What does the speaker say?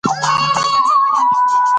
امنیت پرته ثبات نه راځي.